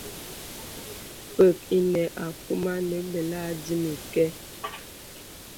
Pə̀k enə akūmà nə bəlà dimi kɛ.